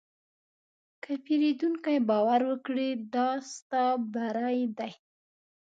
که پیرودونکی باور وکړي، دا ستا بری دی.